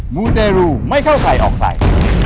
มูเตรูไม่เข้าใครออกใคร